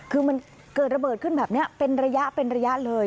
คือมันเกิดระเบิดขึ้นแบบนี้เป็นระยะเป็นระยะเลย